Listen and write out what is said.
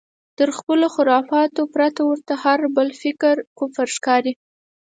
تر خپلو خرافاتو پرته ورته هر بل فکر کفر ښکاري.